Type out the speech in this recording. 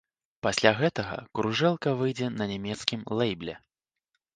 Пасля гэтага кружэлка выйдзе на нямецкім лэйбле.